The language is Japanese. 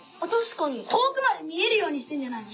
遠くまで見えるようにしてんじゃないの。